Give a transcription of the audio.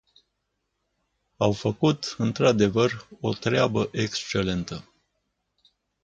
Au făcut, într-adevăr, o treabă excelentă.